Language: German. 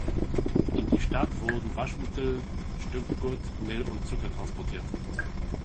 In die Stadt wurden Waschmittel, Stückgut, Mehl und Zucker transportiert.